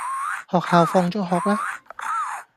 學校放咗學喇